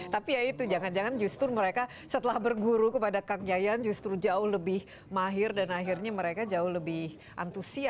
tapi ya itu jangan jangan justru mereka setelah berguru kepada kang yayan justru jauh lebih mahir dan akhirnya mereka jauh lebih antusias